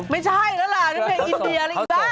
ไม่ใช่อีกแล้วล่ะนี่เพลงอินเดียลิงค์ปะ